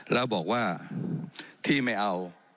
แล้วบอกว่าที่ไม่เอา